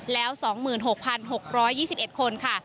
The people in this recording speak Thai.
แล้ว๒๖๖๒๑คนค่ะ